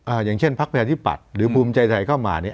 อย่างเช่นพักประชาธิปัตย์หรือภูมิใจไทยเข้ามาเนี่ย